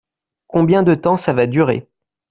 Combien de temps ça va durer .